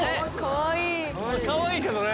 かわいいけどね。